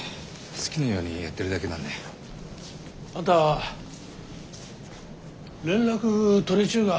好きなようにやってるだけなんで。あんた連絡取れちゅうが？